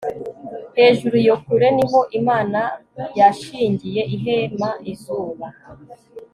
hejuru iyo kure, ni ho imana yashingiye ihema izuba